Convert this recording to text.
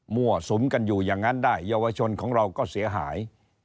สุมกันอยู่อย่างนั้นได้เยาวชนของเราก็เสียหาย